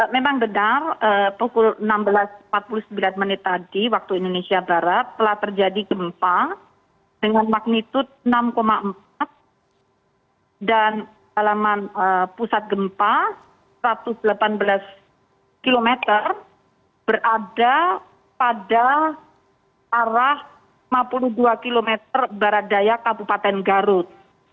memang benar pukul enam belas empat puluh sembilan menit tadi waktu indonesia barat telah terjadi gempa dengan magnitud enam empat dan alaman pusat gempa satu ratus delapan belas km berada pada arah lima puluh dua km barat daya kabupaten garut